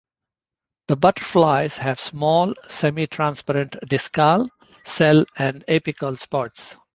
The butterflies have small, semi-transparent discal, cell and apical spots.